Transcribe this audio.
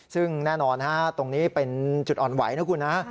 ซึ่งแน่นอนตรงนี้เป็นจุดอ่อนไหวนะคุณนะ